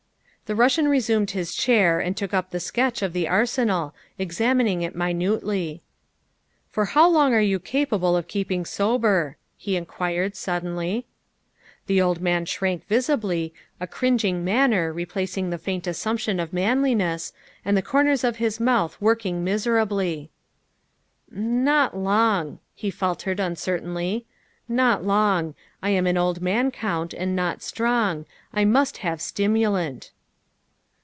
The Russian resumed his chair and took up the sketch of the Arsenal, examining it minutely. " For how long are you capable of keeping sober?" he inquired suddenly. The old man shrank visibly, a cringing manner re placing the faint assumption of manliness, and the cor ners of his mouth working miserably. '' Not long, '' he faltered uncertainly, '' not long. I 'm an old man, Count, and not strong. I must have stimulant.